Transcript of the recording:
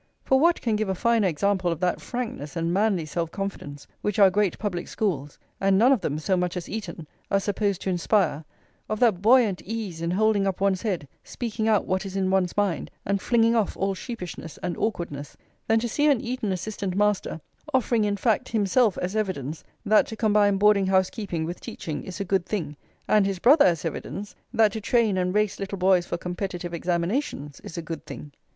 For what can give a finer example of that frankness and manly self confidence which our great public schools, and none of them so much as Eton, are supposed to inspire, of that buoyant ease in holding up one's head, speaking out what is in one's mind, and flinging off all sheepishness and awkwardness, than to see an Eton assistant master offering in fact himself as evidence that to combine boarding house keeping with teaching is a good thing, and his brother as evidence that to train and race little boys for competitive examinations is a good thing?